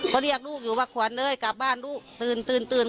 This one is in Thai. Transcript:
ก็เรียกลูกอยู่ว่าขวัญเอ้ยกลับบ้านลูกตื่นตื่น